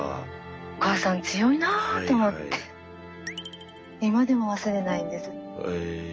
「お母さん強いな」って思って今でも忘れないんです。